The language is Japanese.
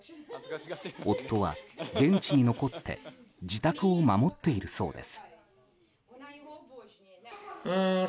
夫は現地に残って自宅を守っているそうです。